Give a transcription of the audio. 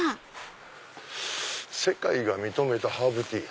「世界が認めたハーブティー」。